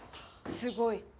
すごい。